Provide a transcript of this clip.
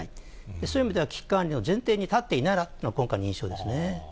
そういう意味では、危機管理の前提に立っていないのが、今回の印象ですね。